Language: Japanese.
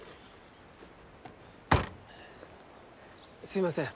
すいません。